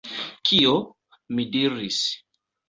Kio? mi diris.